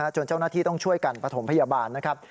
จนเจ้าหน้าที่ต้องช่วยกันประถมพยาบาลนะครับ